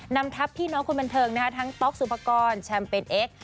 นำทัพพี่น้องคนบันเทิงทั้งต๊อกสุภกรแชมเปญเอ็กซ